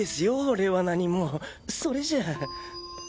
俺は何もそれじゃ。